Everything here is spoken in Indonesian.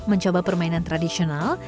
mencoba permainan tradisional